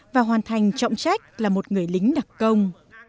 và hoàn thành trọng trách là một người lính đặc công